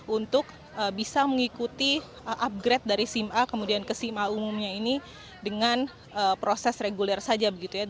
untuk bisa mengikuti upgrade dari sim a kemudian ke sima umumnya ini dengan proses reguler saja begitu ya